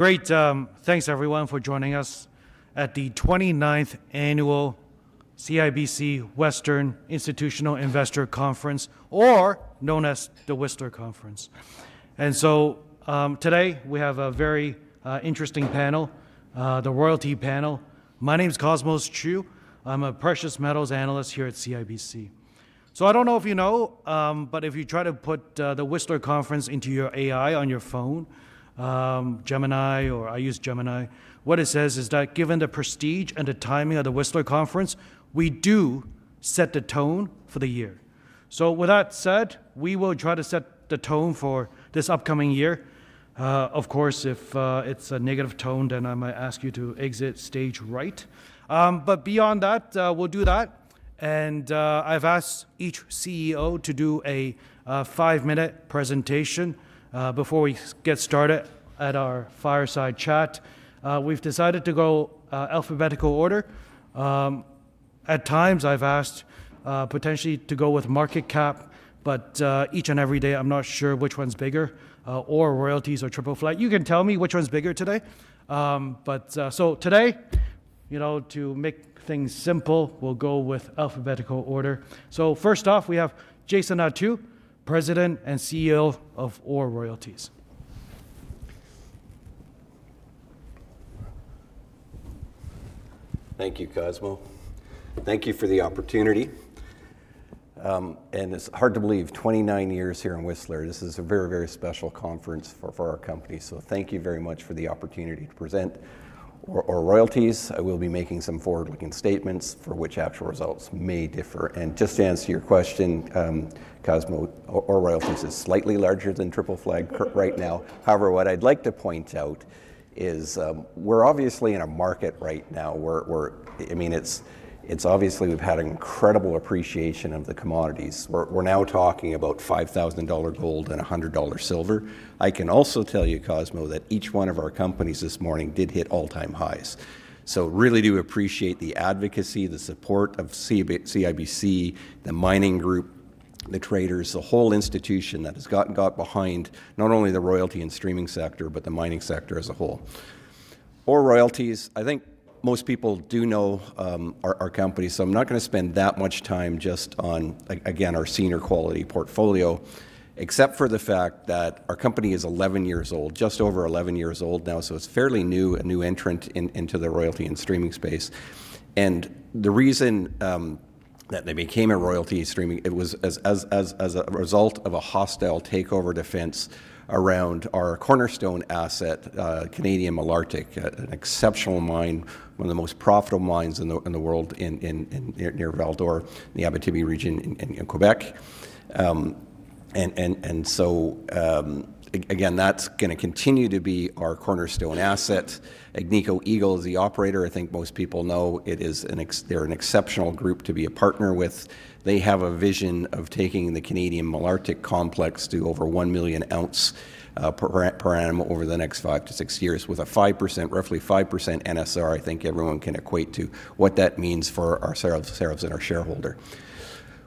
Great. Thanks, everyone, for joining us at the 29th Annual CIBC Western Institutional Investor Conference, or known as the Whistler Conference, and so today we have a very interesting panel, the royalty panel. My name is Cosmos Chiu. I'm a Precious Metals Analyst here at CIBC, so I don't know if you know, but if you try to put the Whistler Conference into your AI on your phone, Gemini, or I use Gemini, what it says is that given the prestige and the timing of the Whistler Conference, we do set the tone for the year, so with that said, we will try to set the tone for this upcoming year. Of course, if it's a negative tone, then I might ask you to exit stage right, but beyond that, we'll do that. I've asked each CEO to do a five-minute presentation before we get started at our fireside chat. We've decided to go alphabetical order. At times, I've asked potentially to go with market cap, but each and every day, I'm not sure which one's bigger, OR Royalties or Triple Flag. You can tell me which one's bigger today. Today, to make things simple, we'll go with alphabetical order. First off, we have Jason Attew, President and CEO of OR Royalties. Thank you, Cosmo. Thank you for the opportunity. And it's hard to believe 29 years here in Whistler. This is a very, very special conference for our company. So thank you very much for the opportunity to present OR Royalties. I will be making some forward-looking statements for which actual results may differ. And just to answer your question, Cosmo, OR Royalties is slightly larger than Triple Flag right now. However, what I'd like to point out is we're obviously in a market right now where I mean, it's obviously we've had an incredible appreciation of the commodities. We're now talking about $5,000 gold and $100 silver. I can also tell you, Cosmo, that each one of our companies this morning did hit all-time highs. So really do appreciate the advocacy, the support of CIBC, the mining group, the traders, the whole institution that has gotten behind not only the royalty and streaming sector, but the mining sector as a whole. OR Royalties, I think most people do know our company, so I'm not going to spend that much time just on, again, our senior quality portfolio, except for the fact that our company is 11 years old, just over 11 years old now. So it's fairly new, a new entrant into the royalty and streaming space. And the reason that they became a royalty streaming, it was as a result of a hostile takeover defense around our cornerstone asset, Canadian Malartic, an exceptional mine, one of the most profitable mines in the world near Val-d'Or, the Abitibi region in Quebec. And so again, that's going to continue to be our cornerstone asset. Agnico Eagle is the operator. I think most people know they're an exceptional group to be a partner with. They have a vision of taking the Canadian Malartic complex to over one million ounces per annum over the next five to six years with a 5%, roughly 5% NSR. I think everyone can equate to what that means for our sales and our shareholder.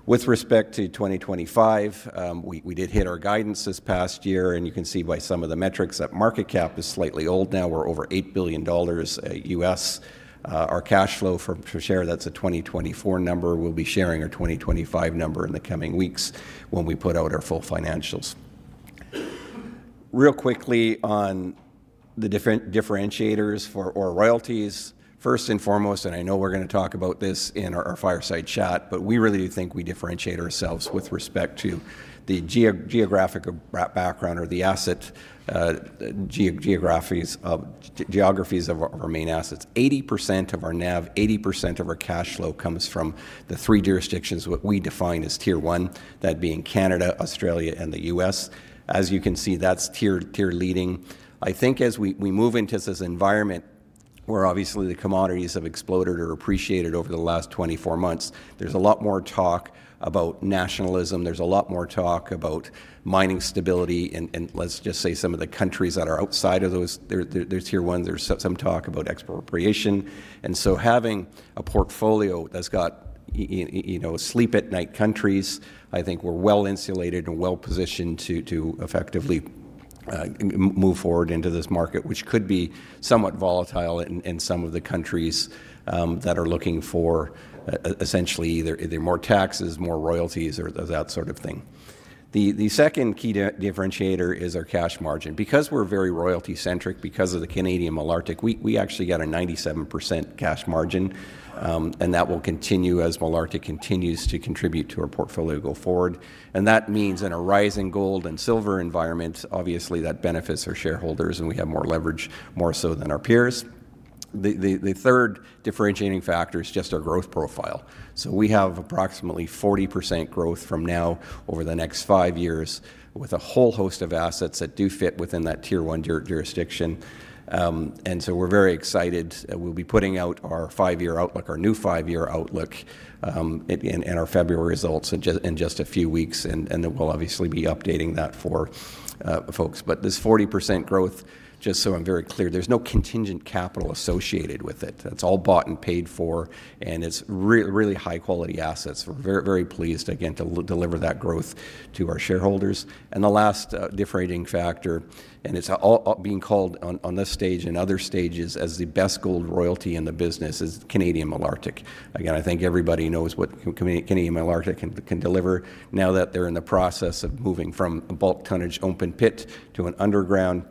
With respect to 2025, we did hit our guidance this past year. And you can see by some of the metrics that market cap is slightly old now. We're over $8 billion. Our cash flow per share, that's a 2024 number. We'll be sharing our 2025 number in the coming weeks when we put out our full financials. Real quickly on the differentiators for OR Royalties. First and foremost, and I know we're going to talk about this in our fireside chat, but we really do think we differentiate ourselves with respect to the geographic background or the asset geographies of our main assets. 80% of our NAV, 80% of our cash flow comes from the three jurisdictions what we define as Tier One, that being Canada, Australia, and the U.S. As you can see, that's tier leading. I think as we move into this environment where obviously the commodities have exploded or appreciated over the last 24 months, there's a lot more talk about nationalism. There's a lot more talk about mining stability. And let's just say some of the countries that are outside of those tier ones, there's some talk about expropriation. Having a portfolio that's got sleep at night countries, I think we're well insulated and well positioned to effectively move forward into this market, which could be somewhat volatile in some of the countries that are looking for essentially either more taxes, more royalties, or that sort of thing. The second key differentiator is our cash margin. Because we're very royalty-centric, because of the Canadian Malartic, we actually got a 97% cash margin. That will continue as Malartic continues to contribute to our portfolio go forward. That means in a rising gold and silver environment, obviously that benefits our shareholders and we have more leverage more so than our peers. The third differentiating factor is just our growth profile. We have approximately 40% growth from now over the next five years with a whole host of assets that do fit within that Tier One jurisdiction. And so we're very excited. We'll be putting out our five-year outlook, our new five-year outlook and our February results in just a few weeks. And we'll obviously be updating that for folks. But this 40% growth, just so I'm very clear, there's no contingent capital associated with it. It's all bought and paid for. And it's really high-quality assets. We're very pleased, again, to deliver that growth to our shareholders. And the last differentiating factor, and it's being called on this stage and other stages as the best gold royalty in the business is Canadian Malartic. Again, I think everybody knows what Canadian Malartic can deliver now that they're in the process of moving from a bulk tonnage open pit to an underground.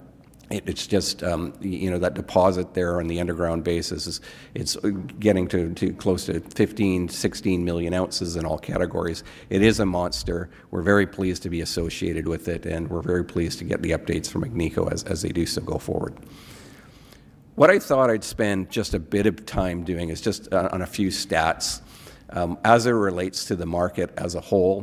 It's just that deposit there on the underground basis is getting to close to 15-16 million ounces in all categories. It is a monster. We're very pleased to be associated with it. And we're very pleased to get the updates from Agnico as they do so go forward. What I thought I'd spend just a bit of time doing is just on a few stats as it relates to the market as a whole,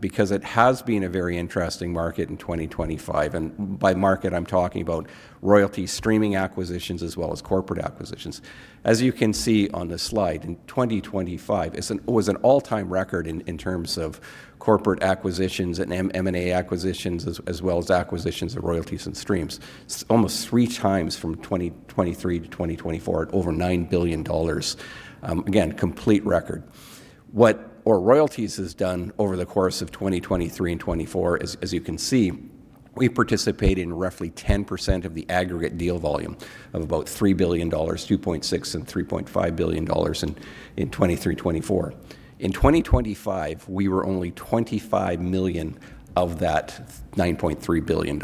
because it has been a very interesting market in 2025. And by market, I'm talking about royalty streaming acquisitions as well as corporate acquisitions. As you can see on the slide, in 2025, it was an all-time record in terms of corporate acquisitions and M&A acquisitions, as well as acquisitions of royalties and streams. It's almost three times from 2023 to 2024 at over $9 billion. Again, complete record. What OR Royalties has done over the course of 2023 and 2024, as you can see, we participate in roughly 10% of the aggregate deal volume of about $3 billion, $2.6 and $3.5 billion in 2023-2024. In 2025, we were only $25 million of that $9.3 billion,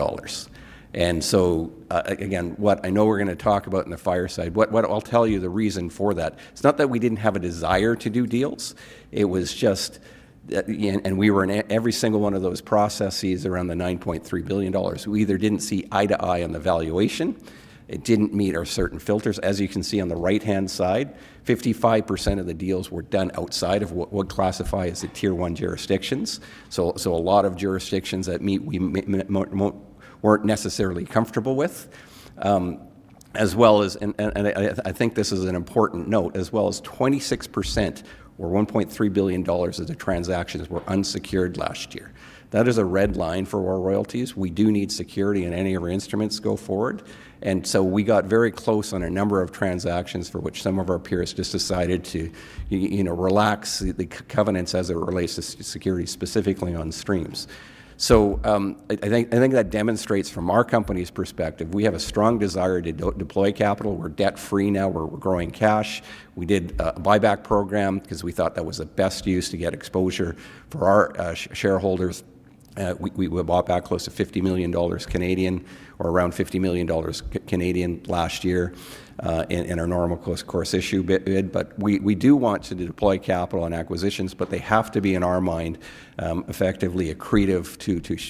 and so again, what I know we're going to talk about in the fireside, what I'll tell you the reason for that. It's not that we didn't have a desire to do deals. It was just that we were in every single one of those processes around the $9.3 billion. We either didn't see eye to eye on the valuation. It didn't meet our certain filters. As you can see on the right-hand side, 55% of the deals were done outside of what would classify as the Tier One jurisdictions, so a lot of jurisdictions that we weren't necessarily comfortable with. As well as, and I think this is an important note, as well as 26% or $1.3 billion of the transactions were unsecured last year. That is a red line for OR Royalties. We do need security in any of our instruments going forward. And so we got very close on a number of transactions for which some of our peers just decided to relax the covenants as it relates to security specifically on streams. So I think that demonstrates from our company's perspective, we have a strong desire to deploy capital. We're debt-free now. We're growing cash. We did a buyback program because we thought that was the best use to get exposure for our shareholders. We bought back close to 50 million Canadian dollars or around 50 million Canadian dollars last year in our normal course issuer bid. But we do want to deploy capital and acquisitions, but they have to be, in our mind, effectively accretive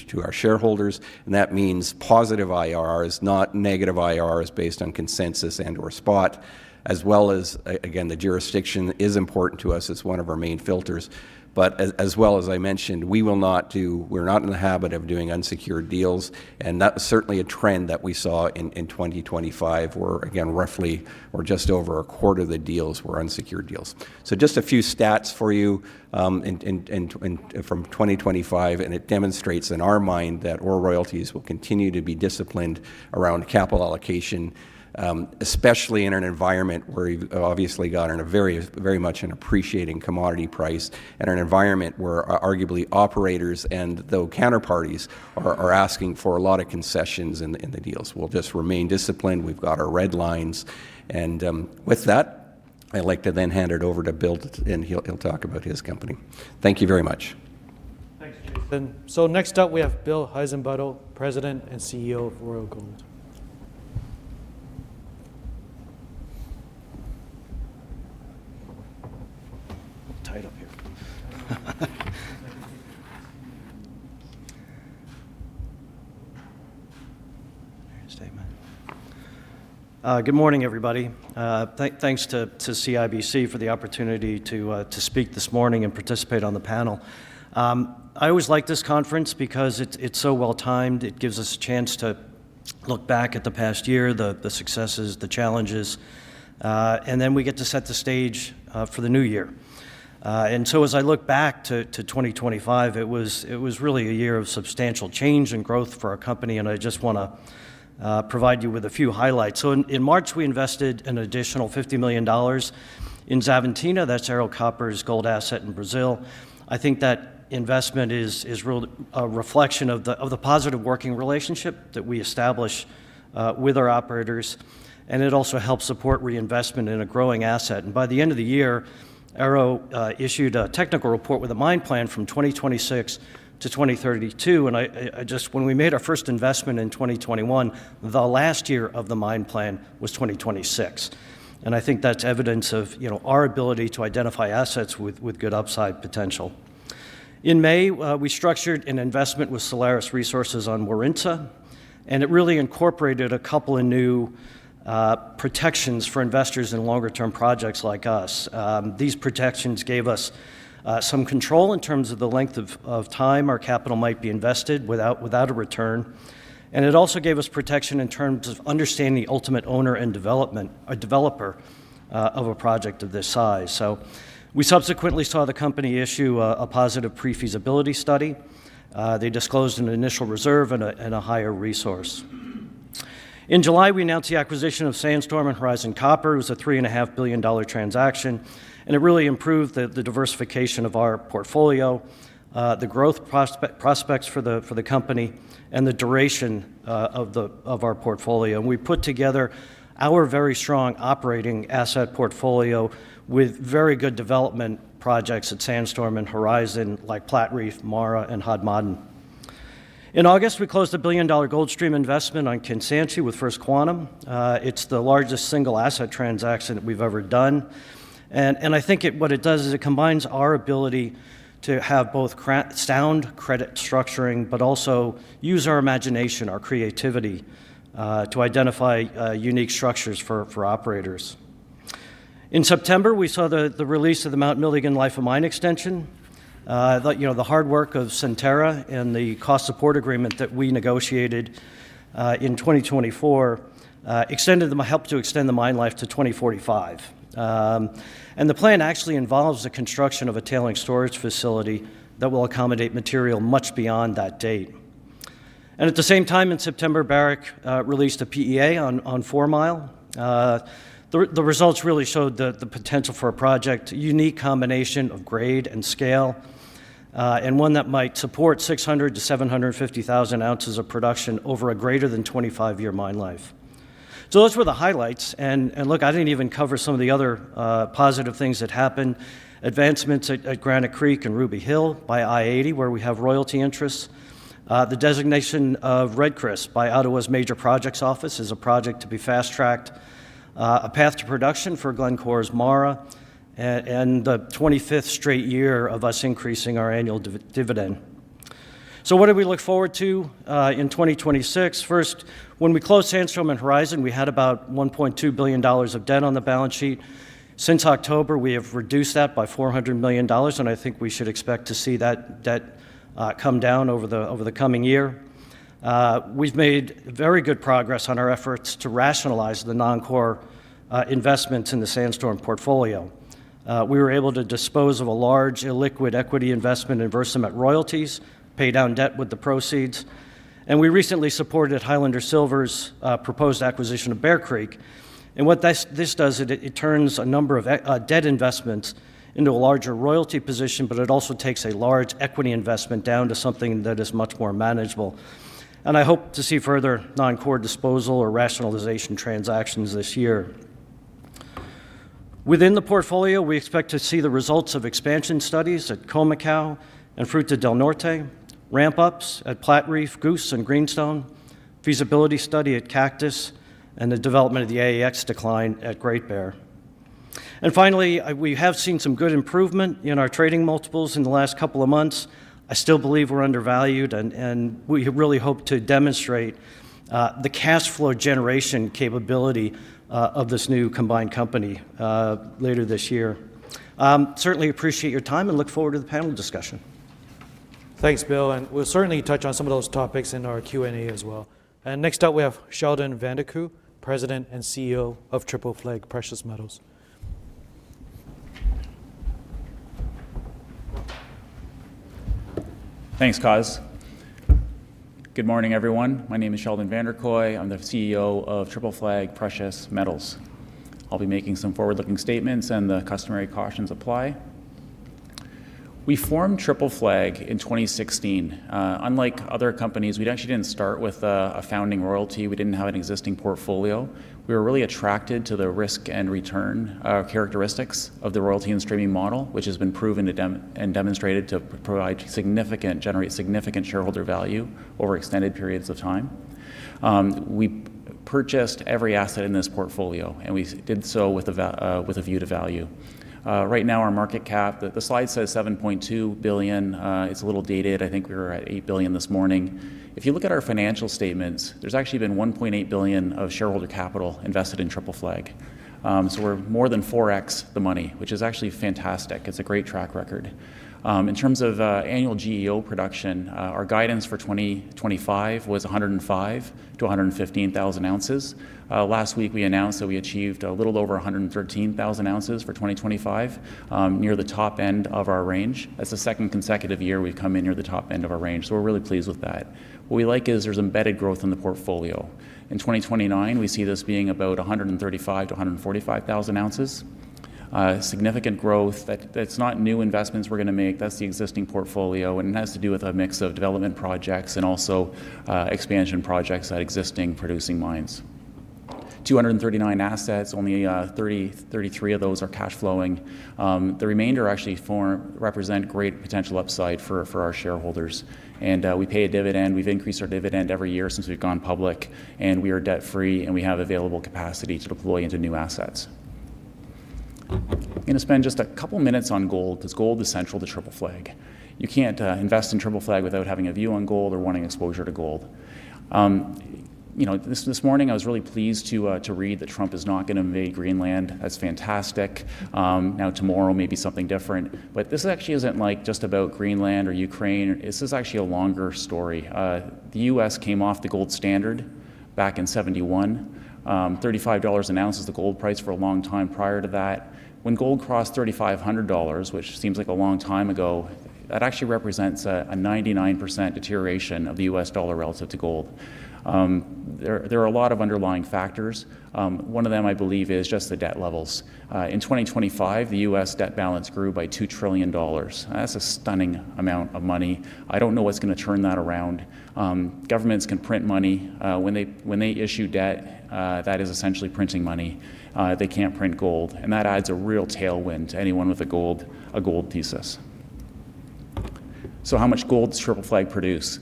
to our shareholders. And that means positive IRRs, not negative IRRs based on consensus and/or spot, as well as, again, the jurisdiction is important to us. It's one of our main filters. But as well as I mentioned, we will not do, we're not in the habit of doing unsecured deals. And that was certainly a trend that we saw in 2025 where, again, roughly or just over a quarter of the deals were unsecured deals. So just a few stats for you from 2025. It demonstrates in our mind that OR Royalties will continue to be disciplined around capital allocation, especially in an environment where we've obviously gotten very much an appreciating commodity price and an environment where arguably operators and though counterparties are asking for a lot of concessions in the deals. We'll just remain disciplined. We've got our red lines. With that, I'd like to then hand it over to Bill, and he'll talk about his company. Thank you very much. Thanks, Jason. So next up, we have Bill Heissenbuttel, President and CEO of Royal Gold. Good morning, everybody. Thanks to CIBC for the opportunity to speak this morning and participate on the panel. I always like this conference because it's so well timed. It gives us a chance to look back at the past year, the successes, the challenges, and then we get to set the stage for the new year. And so as I look back to 2025, it was really a year of substantial change and growth for our company. And I just want to provide you with a few highlights. So in March, we invested an additional $50 million in Xavantina. That's Ero Copper's gold asset in Brazil. I think that investment is a reflection of the positive working relationship that we establish with our operators. And it also helps support reinvestment in a growing asset. And by the end of the year, Arrow issued a technical report with a mine plan from 2026 to 2032. And just when we made our first investment in 2021, the last year of the mine plan was 2026. And I think that's evidence of our ability to identify assets with good upside potential. In May, we structured an investment with Solaris Resources on Warintza. And it really incorporated a couple of new protections for investors in longer-term projects like us. These protections gave us some control in terms of the length of time our capital might be invested without a return. And it also gave us protection in terms of understanding the ultimate owner and development or developer of a project of this size. So we subsequently saw the company issue a positive pre-feasibility study. They disclosed an initial reserve and a higher resource. In July, we announced the acquisition of Sandstorm and Horizon Copper. It was a $3.5 billion transaction. And it really improved the diversification of our portfolio, the growth prospects for the company, and the duration of our portfolio. And we put together our very strong operating asset portfolio with very good development projects at Sandstorm and Horizon like Platreef, MARA, and Hod Maden. In August, we closed a $1 billion gold stream investment on Kansanshi with First Quantum. It's the largest single asset transaction that we've ever done. And I think what it does is it combines our ability to have both sound credit structuring, but also use our imagination, our creativity to identify unique structures for operators. In September, we saw the release of the Mount Milligan Life of Mine Extension. The hard work of Centerra and the cost support agreement that we negotiated in 2024 helped to extend the mine life to 2045. The plan actually involves the construction of a tailings storage facility that will accommodate material much beyond that date. At the same time, in September, Barrick released a PEA on Fourmile. The results really showed the potential for a project, a unique combination of grade and scale, and one that might support 600-750,000 ounces of production over a greater than 25-year mine life. Those were the highlights. Look, I didn't even cover some of the other positive things that happened. Advancements at Granite Creek and Ruby Hill by i-80, where we have royalty interests. The designation of Red Chris by Ottawa's Major Projects Office is a project to be fast-tracked, a path to production for Glencore's MARA, and the 25th straight year of us increasing our annual dividend. So what do we look forward to in 2026? First, when we closed Sandstorm and Horizon, we had about $1.2 billion of debt on the balance sheet. Since October, we have reduced that by $400 million. And I think we should expect to see that come down over the coming year. We've made very good progress on our efforts to rationalize the non-core investments in the Sandstorm portfolio. We were able to dispose of a large illiquid equity investment in Versamet Royalties, pay down debt with the proceeds. And we recently supported Highlander Silver's proposed acquisition of Bear Creek. What this does, it turns a number of debt investments into a larger royalty position, but it also takes a large equity investment down to something that is much more manageable. I hope to see further non-core disposal or rationalization transactions this year. Within the portfolio, we expect to see the results of expansion studies at Khoemacau and Fruta del Norte, ramp-ups at Platreef, Goose, and Greenstone, feasibility study at Cactus, and the development of the AEX decline at Great Bear. Finally, we have seen some good improvement in our trading multiples in the last couple of months. I still believe we're undervalued. We really hope to demonstrate the cash flow generation capability of this new combined company later this year. Certainly appreciate your time and look forward to the panel discussion. Thanks, Bill. We'll certainly touch on some of those topics in our Q&A as well. Next up, we have Sheldon Vanderkooy, President and CEO of Triple Flag Precious Metals. Thanks, Cosmos. Good morning, everyone. My name is Sheldon Vanderkooy. I'm the CEO of Triple Flag Precious Metals. I'll be making some forward-looking statements, and the customary cautions apply. We formed Triple Flag in 2016. Unlike other companies, we actually didn't start with a founding royalty. We didn't have an existing portfolio. We were really attracted to the risk and return characteristics of the royalty and streaming model, which has been proven and demonstrated to generate significant shareholder value over extended periods of time. We purchased every asset in this portfolio, and we did so with a view to value. Right now, our market cap, the slide says $7.2 billion. It's a little dated. I think we were at $8 billion this morning. If you look at our financial statements, there's actually been $1.8 billion of shareholder capital invested in Triple Flag. We're more than 4x the money, which is actually fantastic. It's a great track record. In terms of annual GEO production, our guidance for 2025 was 105-115,000 ounces. Last week, we announced that we achieved a little over 113,000 ounces for 2025, near the top end of our range. That's the second consecutive year we've come in near the top end of our range. So we're really pleased with that. What we like is there's embedded growth in the portfolio. In 2029, we see this being about 135-145,000 ounces. Significant growth. That's not new investments we're going to make. That's the existing portfolio. And it has to do with a mix of development projects and also expansion projects at existing producing mines. 239 assets, only 33 of those are cash flowing. The remainder actually represent great potential upside for our shareholders. We pay a dividend. We've increased our dividend every year since we've gone public. We are debt-free, and we have available capacity to deploy into new assets. I'm going to spend just a couple of minutes on gold because gold is central to Triple Flag. You can't invest in Triple Flag without having a view on gold or wanting exposure to gold. This morning, I was really pleased to read that Trump is not going to invade Greenland. That's fantastic. Now, tomorrow may be something different. This actually isn't just about Greenland or Ukraine. This is actually a longer story. The U.S. came off the gold standard back in 1971. $35 an ounce was the gold price for a long time prior to that. When gold crossed $3,500, which seems like a long time ago, that actually represents a 99% deterioration of the U.S. Dollar relative to gold. There are a lot of underlying factors. One of them, I believe, is just the debt levels. In 2025, the U.S. debt balance grew by $2 trillion. That's a stunning amount of money. I don't know what's going to turn that around. Governments can print money. When they issue debt, that is essentially printing money. They can't print gold. And that adds a real tailwind to anyone with a gold thesis. So how much gold does Triple Flag produce?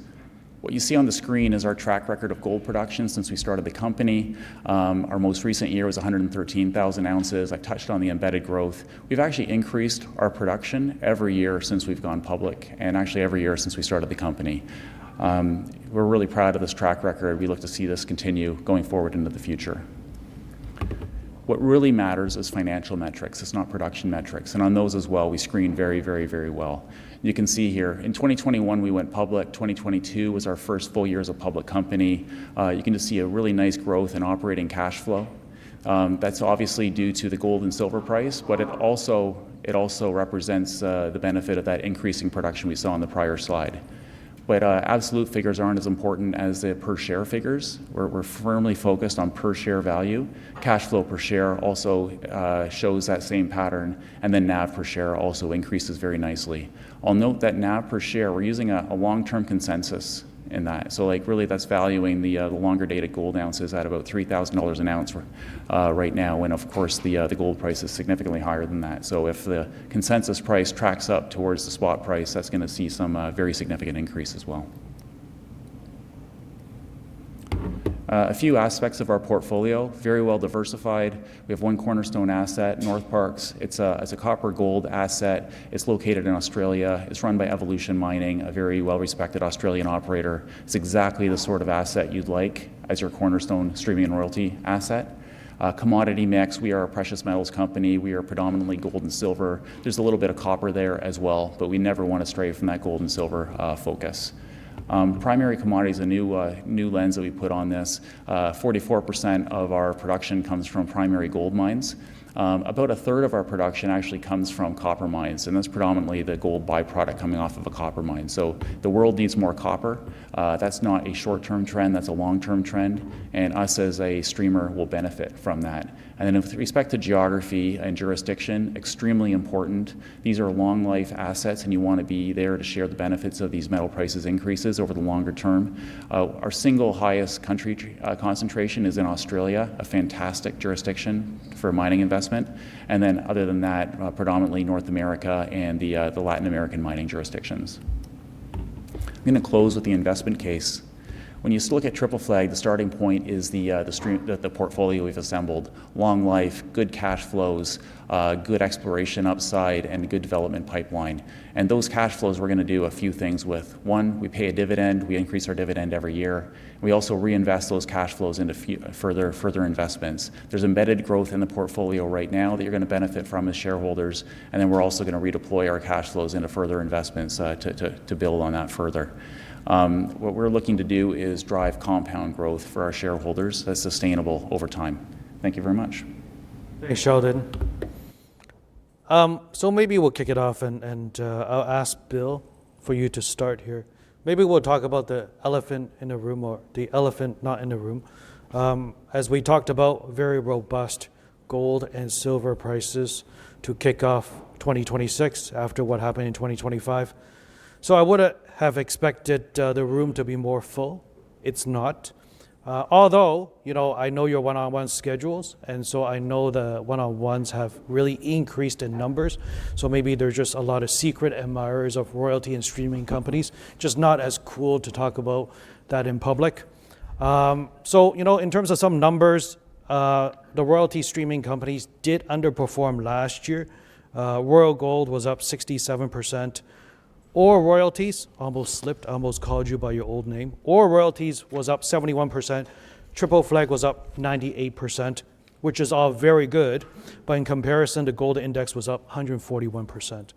What you see on the screen is our track record of gold production since we started the company. Our most recent year was 113,000 ounces. I touched on the embedded growth. We've actually increased our production every year since we've gone public and actually every year since we started the company. We're really proud of this track record. We look to see this continue going forward into the future. What really matters is financial metrics. It's not production metrics. And on those as well, we screen very, very, very well. You can see here, in 2021, we went public. 2022 was our first full year as a public company. You can just see a really nice growth in operating cash flow. That's obviously due to the gold and silver price, but it also represents the benefit of that increasing production we saw on the prior slide. But absolute figures aren't as important as the per-share figures. We're firmly focused on per-share value. Cash flow per share also shows that same pattern. And then NAV per share also increases very nicely. I'll note that NAV per share, we're using a long-term consensus in that. So really, that's valuing the longer-dated gold ounces at about $3,000 an ounce right now. And of course, the gold price is significantly higher than that. So if the consensus price tracks up towards the spot price, that's going to see some very significant increase as well. A few aspects of our portfolio. Very well diversified. We have one cornerstone asset, Northparkes. It's a copper-gold asset. It's located in Australia. It's run by Evolution Mining, a very well-respected Australian operator. It's exactly the sort of asset you'd like as your cornerstone streaming and royalty asset. Commodity mix. We are a precious metals company. We are predominantly gold and silver. There's a little bit of copper there as well, but we never want to stray from that gold and silver focus. Primary commodity is a new lens that we put on this. 44% of our production comes from primary gold mines. About a third of our production actually comes from copper mines. That's predominantly the gold byproduct coming off of a copper mine. The world needs more copper. That's not a short-term trend. That's a long-term trend. Us as a streamer will benefit from that. With respect to geography and jurisdiction, extremely important. These are long-life assets, and you want to be there to share the benefits of these metal prices increases over the longer term. Our single highest country concentration is in Australia, a fantastic jurisdiction for mining investment. Other than that, predominantly North America and the Latin American mining jurisdictions. I'm going to close with the investment case. When you look at Triple Flag, the starting point is the portfolio we've assembled: long life, good cash flows, good exploration upside, and good development pipeline. Those cash flows, we're going to do a few things with. One, we pay a dividend. We increase our dividend every year. We also reinvest those cash flows into further investments. There's embedded growth in the portfolio right now that you're going to benefit from as shareholders, and then we're also going to redeploy our cash flows into further investments to build on that further. What we're looking to do is drive compound growth for our shareholders that's sustainable over time. Thank you very much. Thanks, Sheldon. So maybe we'll kick it off, and I'll ask Bill for you to start here. Maybe we'll talk about the elephant in the room or the elephant not in the room. As we talked about, very robust gold and silver prices to kick off 2026 after what happened in 2025. So I would have expected the room to be more full. It's not. Although I know your one-on-one schedules, and so I know the one-on-ones have really increased in numbers. So maybe there's just a lot of secret admirers of royalty and streaming companies, just not as cool to talk about that in public. So in terms of some numbers, the royalty streaming companies did underperform last year. Royal Gold was up 67%. OR Royalties almost slipped, almost called you by your old name. OR Royalties was up 71%. Triple Flag was up 98%, which is all very good. But in comparison, the gold index was up 141%.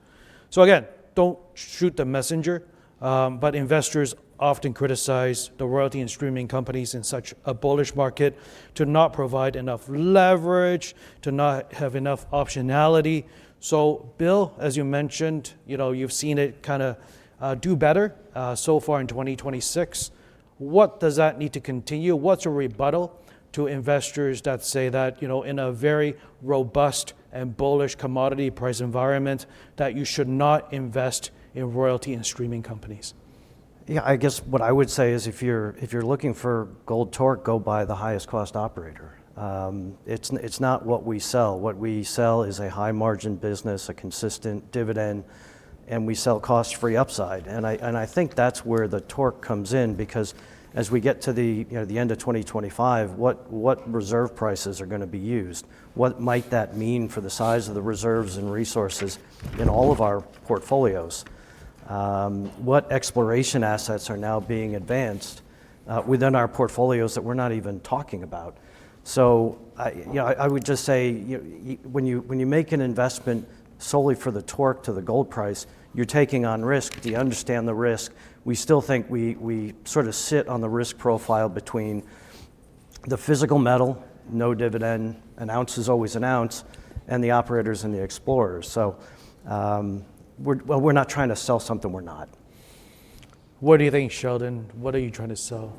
So again, don't shoot the messenger. But investors often criticize the royalty and streaming companies in such a bullish market to not provide enough leverage, to not have enough optionality. So Bill, as you mentioned, you've seen it kind of do better so far in 2026. What does that need to continue? What's a rebuttal to investors that say that in a very robust and bullish commodity price environment that you should not invest in royalty and streaming companies? Yeah, I guess what I would say is if you're looking for gold torque, go buy the highest cost operator. It's not what we sell. What we sell is a high-margin business, a consistent dividend, and we sell cost-free upside. And I think that's where the torque comes in because as we get to the end of 2025, what reserve prices are going to be used? What might that mean for the size of the reserves and resources in all of our portfolios? What exploration assets are now being advanced within our portfolios that we're not even talking about? So I would just say when you make an investment solely for the torque to the gold price, you're taking on risk. Do you understand the risk? We still think we sort of sit on the risk profile between the physical metal, no dividend, an ounce is always an ounce, and the operators and the explorers. So we're not trying to sell something we're not. What do you think, Sheldon? What are you trying to sell?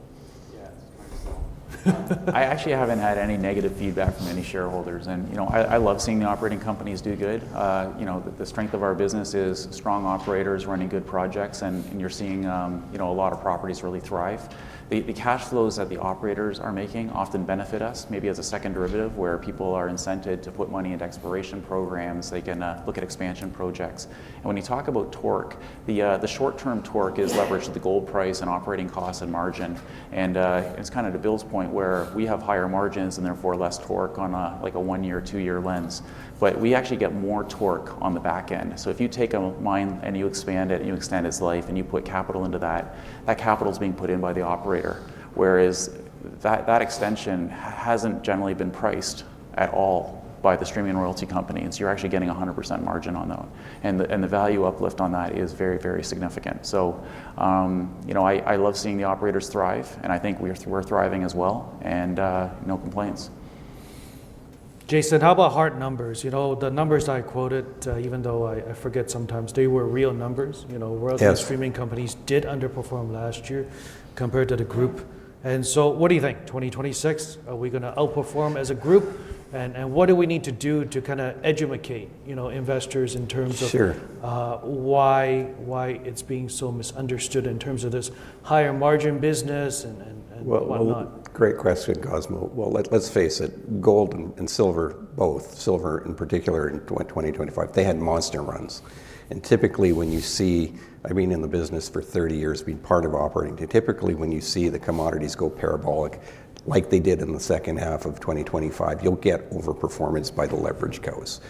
Yeah, it's hard to sell. I actually haven't had any negative feedback from any shareholders, and I love seeing the operating companies do good. The strength of our business is strong operators running good projects, and you're seeing a lot of properties really thrive. The cash flows that the operators are making often benefit us, maybe as a second derivative where people are incented to put money into exploration programs. They can look at expansion projects, and when you talk about torque, the short-term torque is leveraged at the gold price and operating costs and margin, and it's kind of to Bill's point where we have higher margins and therefore less torque on a one-year, two-year lens, but we actually get more torque on the back end. So if you take a mine and you expand it and you extend its life and you put capital into that, that capital is being put in by the operator. Whereas that extension hasn't generally been priced at all by the streaming and royalty companies. You're actually getting 100% margin on that. And the value uplift on that is very, very significant. So I love seeing the operators thrive, and I think we're thriving as well. And no complaints. Jason, how about hard numbers? The numbers I quoted, even though I forget sometimes, they were real numbers. Royal Gold streaming companies did underperform last year compared to the group. And so what do you think? 2026? Are we going to outperform as a group? And what do we need to do to kind of educate investors in terms of why it's being so misunderstood in terms of this higher margin business and whatnot? Great question, Cosmos. Let's face it. Gold and silver, both silver in particular in 2025, they had monster runs and typically when you see, I've been in the business for 30 years, been part of operating, typically when you see the commodities go parabolic like they did in the second half of 2025, you'll get overperformance by the leveraged cos.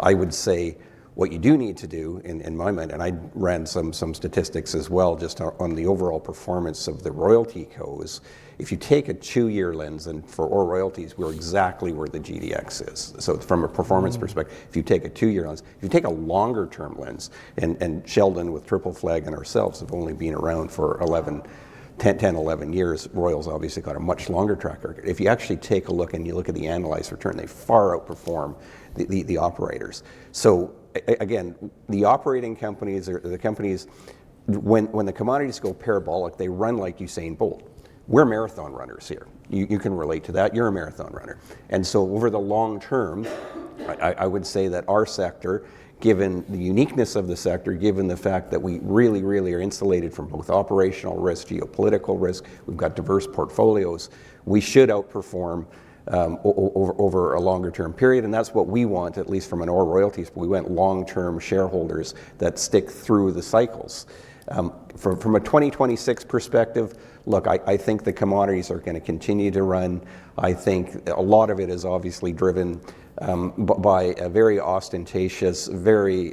I would say what you do need to do in my mind, and I ran some statistics as well just on the overall performance of the royalty cos, if you take a two-year lens and for all royalties, we're exactly where the GDX is. So from a performance perspective, if you take a two-year lens, if you take a longer-term lens, and Sheldon with Triple Flag and ourselves have only been around for 10, 11 years, Royal's obviously got a much longer track record. If you actually take a look and you look at the annualized return, they far outperform the operators. So again, the operating companies, when the commodities go parabolic, they run like Usain Bolt. We're MARAthon runners here. You can relate to that. You're a MARAthon runner. And so over the long term, I would say that our sector, given the uniqueness of the sector, given the fact that we really, really are insulated from both operational risk, geopolitical risk, we've got diverse portfolios, we should outperform over a longer-term period. And that's what we want, at least from OR Royalties. We want long-term shareholders that stick through the cycles. From a 2026 perspective, look, I think the commodities are going to continue to run. I think a lot of it is obviously driven by a very ostentatious, very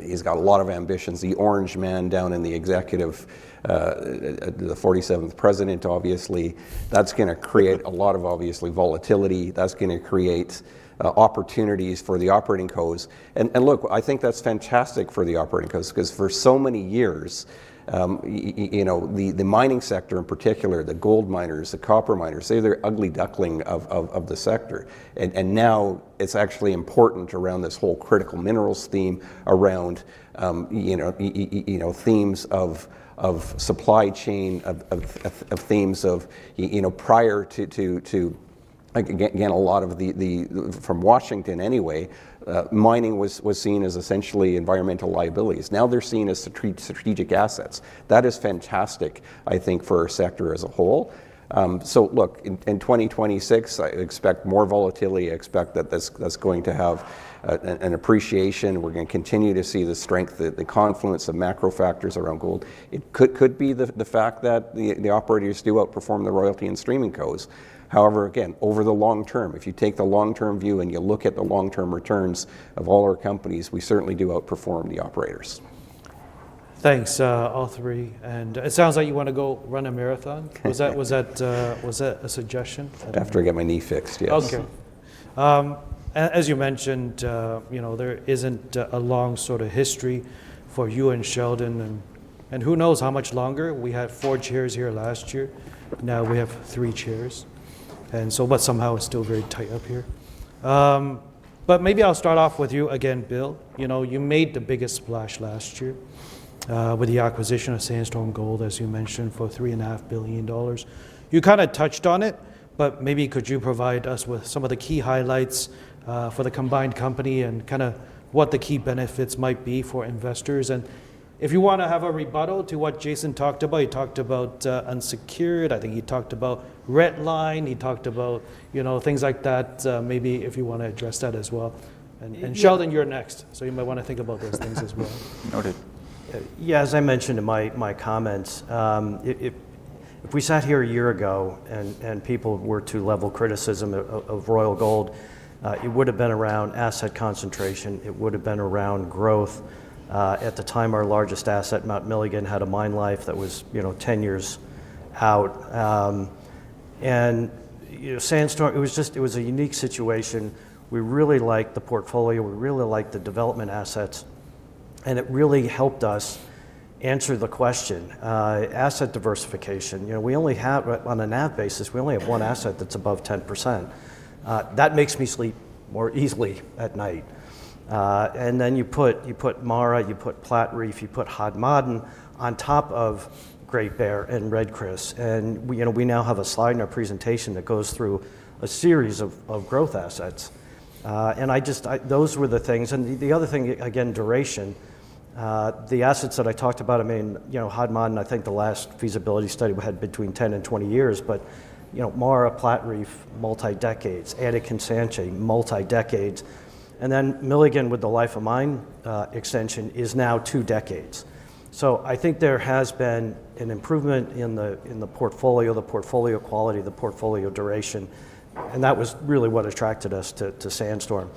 he's got a lot of ambitions. The orange man down in the executive, the 47th president, obviously, that's going to create a lot of obviously volatility. That's going to create opportunities for the operating costs. Look, I think that's fantastic for the operating costs because for so many years, the mining sector in particular, the gold miners, the copper miners, they're the ugly duckling of the sector, and now it's actually important around this whole critical minerals theme, around themes of supply chain, of themes of prior to, again, a lot of the from Washington anyway. Mining was seen as essentially environmental liabilities. Now they're seen as strategic assets. That is fantastic, I think, for our sector as a whole, so look, in 2026, I expect more volatility. I expect that that's going to have an appreciation. We're going to continue to see the strength, the confluence of macro factors around gold. It could be the fact that the operators do outperform the royalty and streaming costs. However, again, over the long term, if you take the long-term view and you look at the long-term returns of all our companies, we certainly do outperform the operators. Thanks, all three. And it sounds like you want to go run a MARAthon. Was that a suggestion? After I get my knee fixed, yes. Okay. As you mentioned, there isn't a long sort of history for you and Sheldon. And who knows how much longer? We had four chairs here last year. Now we have three chairs. And so, but somehow it's still very tight up here. But maybe I'll start off with you again, Bill. You made the biggest splash last year with the acquisition of Sandstorm Gold, as you mentioned, for $3.5 billion. You kind of touched on it, but maybe could you provide us with some of the key highlights for the combined company and kind of what the key benefits might be for investors? And if you want to have a rebuttal to what Jason talked about, he talked about unsecured. I think he talked about red line. He talked about things like that. Maybe if you want to address that as well. And Sheldon, you're next. You might want to think about those things as well. Noted. Yeah, as I mentioned in my comments, if we sat here a year ago and people were to level criticism of Royal Gold, it would have been around asset concentration. It would have been around growth. At the time, our largest asset, Mount Milligan, had a mine life that was 10 years out. And Sandstorm, it was a unique situation. We really liked the portfolio. We really liked the development assets. And it really helped us answer the question, asset diversification. On a NAV basis, we only have one asset that's above 10%. That makes me sleep more easily at night. And then you put MARA, you put Platreef, you put Hod Maden on top of Great Bear and Red Chris. And we now have a slide in our presentation that goes through a series of growth assets. And those were the things. And the other thing, again, duration. The assets that I talked about, I mean, Hod Maden, I think the last feasibility study we had between 10 and 20 years, but MARA, Platreef, multi-decades, Antamina, Sanchez, multi-decades. And then Milligan with the life of mine extension is now two decades. I think there has been an improvement in the portfolio, the portfolio quality, the portfolio duration. That was really what attracted us to Sandstorm.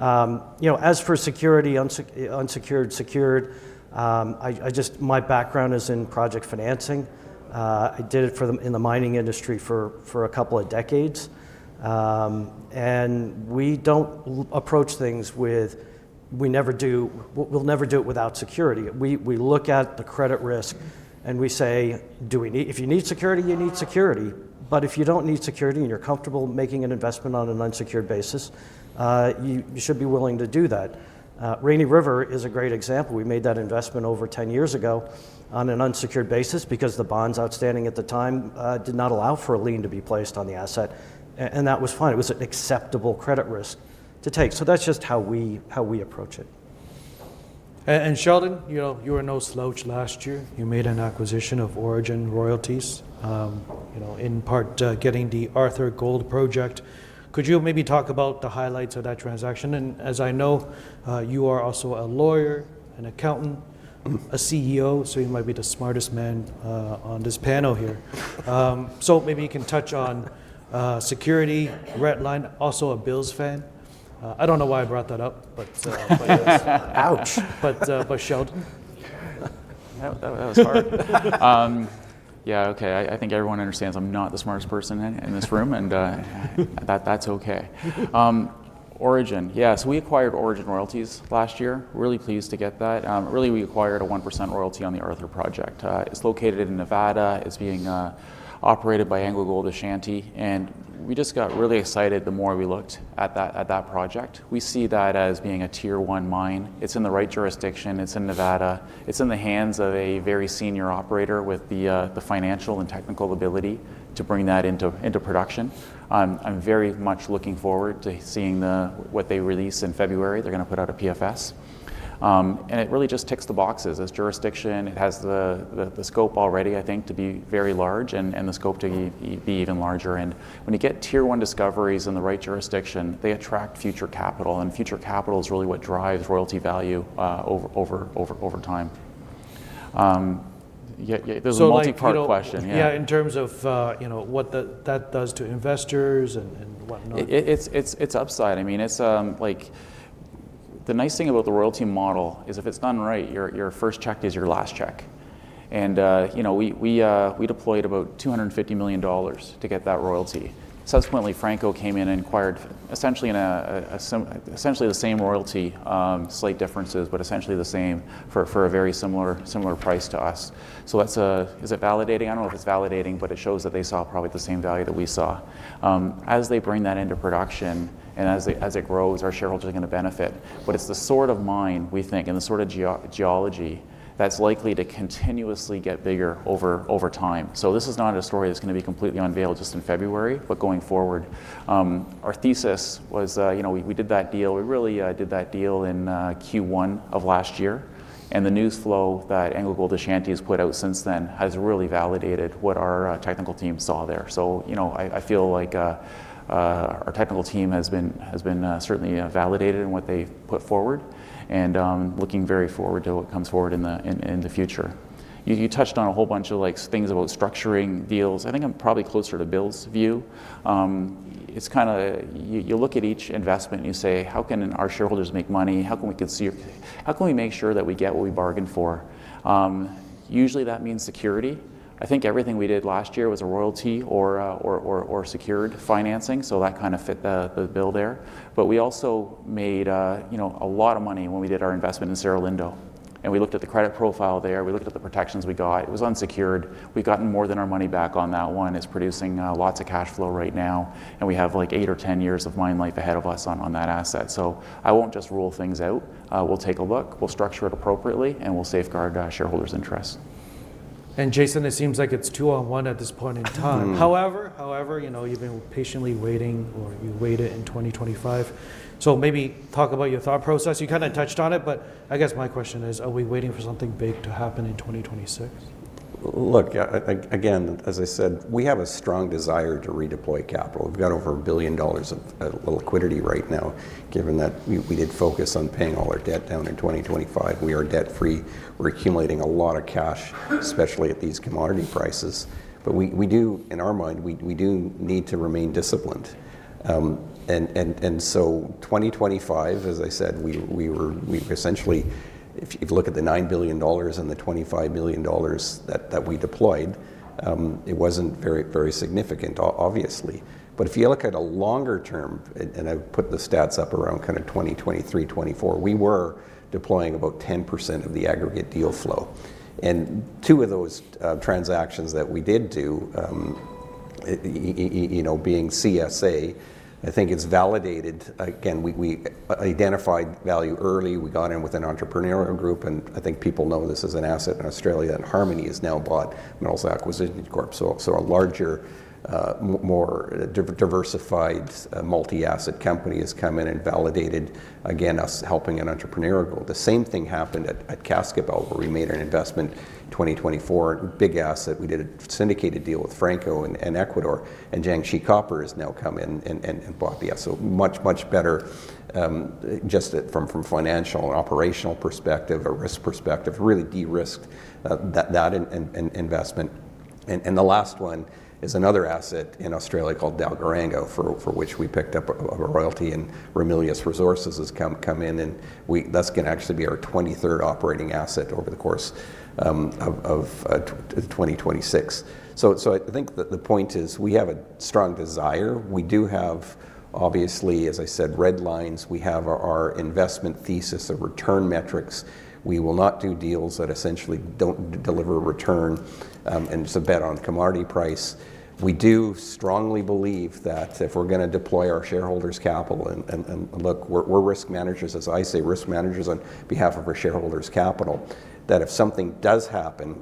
As for security, unsecured, secured, my background is in project financing. I did it in the mining industry for a couple of decades. We do not approach things with, we never do, we will never do it without security. We look at the credit risk and we say, if you need security, you need security. If you do not need security and you are comfortable making an investment on an unsecured basis, you should be willing to do that. Rainy River is a great example. We made that investment over 10 years ago on an unsecured basis because the bonds outstanding at the time did not allow for a lien to be placed on the asset. And that was fine. It was an acceptable credit risk to take. So that's just how we approach it. And Sheldon, you were no slouch last year. You made an acquisition of Orogen Royalties, in part getting the Silicon project. Could you maybe talk about the highlights of that transaction? And as I know, you are also a lawyer, an accountant, a CEO, so you might be the smartest man on this panel here. So maybe you can touch on security, red line, also a Bills fan. I don't know why I brought that up, but yes. Ouch. But Sheldon. That was hard. Yeah, okay. I think everyone understands I'm not the smartest person in this room, and that's okay. Origin, yes. We acquired Orogen Royalties last year. Really pleased to get that. Really, we acquired a 1% royalty on the Silicon project. It's located in Nevada. It's being operated by AngloGold Ashanti. We just got really excited the more we looked at that project. We see that as being a tier one mine. It's in the right jurisdiction. It's in Nevada. It's in the hands of a very senior operator with the financial and technical ability to bring that into production. I'm very much looking forward to seeing what they release in February. They're going to put out a PFS. It really just ticks the boxes as jurisdiction. It has the scope already, I think, to be very large and the scope to be even larger. And when you get Tier One discoveries in the right jurisdiction, they attract future capital. And future capital is really what drives royalty value over time. There's a multipart question. Yeah, in terms of what that does to investors and whatnot. It's upside. I mean, the nice thing about the royalty model is if it's done right, your first check is your last check. And we deployed about $250 million to get that royalty. Subsequently, Franco came in and acquired essentially the same royalty, slight differences, but essentially the same for a very similar price to us. So is it validating? I don't know if it's validating, but it shows that they saw probably the same value that we saw. As they bring that into production and as it grows, our shareholders are going to benefit. But it's the sort of mine, we think, and the sort of geology that's likely to continuously get bigger over time. So this is not a story that's going to be completely unveiled just in February, but going forward. Our thesis was we did that deal. We really did that deal in Q1 of last year, and the news flow that AngloGold Ashanti has put out since then has really validated what our technical team saw there. So I feel like our technical team has been certainly validated in what they put forward and looking very forward to what comes forward in the future. You touched on a whole bunch of things about structuring deals. I think I'm probably closer to Bill's view. It's kind of you look at each investment and you say, how can our shareholders make money? How can we make sure that we get what we bargained for? Usually, that means security. I think everything we did last year was a royalty or secured financing. So that kind of fit the bill there. But we also made a lot of money when we did our investment in Cerro Lindo. We looked at the credit profile there. We looked at the protections we got. It was unsecured. We've gotten more than our money back on that one. It's producing lots of cash flow right now. We have like eight or 10 years of mine life ahead of us on that asset. I won't just rule things out. We'll take a look. We'll structure it appropriately, and we'll safeguard shareholders' interests. And Jason, it seems like it's two on one at this point in time. However, you've been patiently waiting or you waited in 2025. So maybe talk about your thought process. You kind of touched on it, but I guess my question is, are we waiting for something big to happen in 2026? Look, again, as I said, we have a strong desire to redeploy capital. We've got over $1 billion of liquidity right now, given that we did focus on paying all our debt down in 2025. We are debt-free. We're accumulating a lot of cash, especially at these commodity prices, but in our mind, we do need to remain disciplined, and so 2025, as I said, we essentially, if you look at the $9 billion and the $25 million that we deployed, it wasn't very significant, obviously, but if you look at a longer term, and I put the stats up around kind of 2023, 2024, we were deploying about 10% of the aggregate deal flow, and two of those transactions that we did do, being CSA, I think it's validated. Again, we identified value early. We got in with an entrepreneurial group, and I think people know this is an asset in Australia, and Harmony is now bought, and Metals Acquisition Corp. So a larger, more diversified multi-asset company has come in and validated, again, us helping an entrepreneurial goal. The same thing happened at Cascabel, where we made an investment in 2024, big asset. We did a syndicated deal with Franco-Nevada and Ecuador, and Jiangxi Copper has now come in and bought the asset. So much, much better just from a financial and operational perspective, a risk perspective, really de-risked that investment. And the last one is another asset in Australia called Dalgaranga, for which we picked up a royalty, and Ramelius Resources has come in, and thus can actually be our 23rd operating asset over the course of 2026. So I think the point is we have a strong desire. We do have, obviously, as I said, red lines. We have our investment thesis of return metrics. We will not do deals that essentially don't deliver a return and it's a bet on commodity price. We do strongly believe that if we're going to deploy our shareholders' capital, and look, we're risk managers, as I say, risk managers on behalf of our shareholders' capital, that if something does happen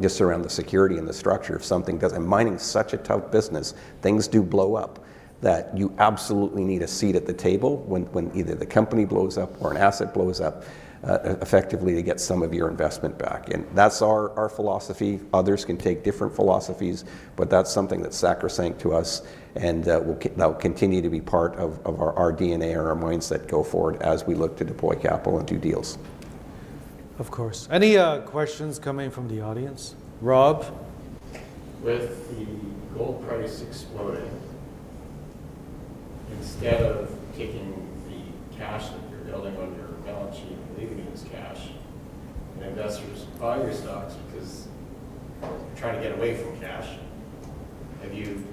just around the security and the structure, if something does, and mining is such a tough business, things do blow up that you absolutely need a seat at the table when either the company blows up or an asset blows up effectively to get some of your investment back, and that's our philosophy. Others can take different philosophies, but that's something that sector is saying to us, and that will continue to be part of our DNA or our mindset go forward as we look to deploy capital and do deals. Of course. Any questions coming from the audience? Rob? With the gold price exploding, instead of taking the cash that you're building on your balance sheet and leaving it as cash, and investors buy your stocks because they're trying to get away from cash, have you